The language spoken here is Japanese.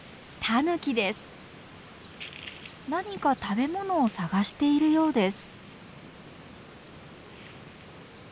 何か食べものを探しているようです。